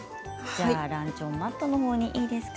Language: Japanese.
ランチョンマットのほうにいいですか？